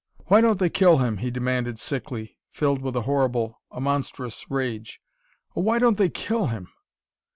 "Why don't they kill him?" he demanded sickly, filled with a horrible, a monstrous rage. "Oh, why don't they kill him?"